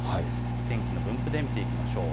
天気の分布で見ていきましょう。